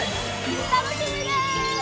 楽しみです。